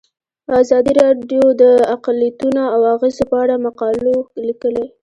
ازادي راډیو د اقلیتونه د اغیزو په اړه مقالو لیکلي.